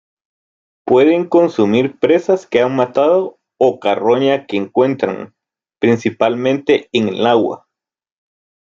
Pueden consumir presas que han matado o carroña que encuentran, principalmente en el agua.